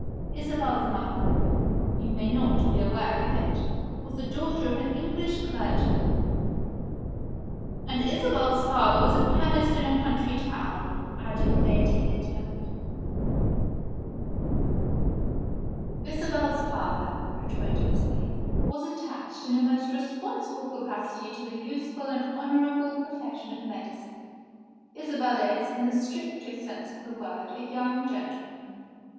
"Isabel's mother (you may not be aware of it) was the daughter of an English clergyman " "And Isabel's father was a chemist in a country town," added Lady Lydiard. "Isabel's father," rejoined Miss Pink, "was attached in a most responsible capacity to the useful and honorable profession of Medicine. Isabel is, in the strictest sense of the word, a young gentlewoman.